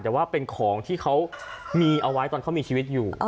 แต่ว่าเป็นของที่เขามีเอาไว้ตอนเขามีชีวิตอยู่